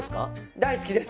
大好きです！